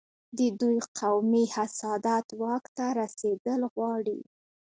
د دوی قومي حسادت واک ته رسېدل غواړي.